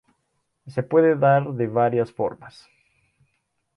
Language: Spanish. Se puede dar de varias formas.